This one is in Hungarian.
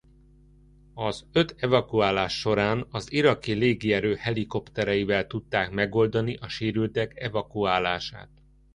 Az öt evakuálás során az Iraki Légierő helikoptereivel tudták megoldani a sérültek evakuálását.